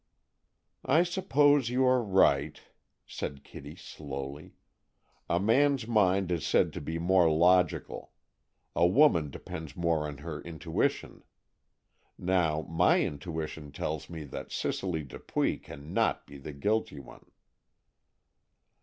"I suppose you are right," said Kitty slowly; "a man's mind is said to be more logical. A woman depends more on her intuition. Now, my intuition tells me that Cicely Dupuy can not be the guilty one."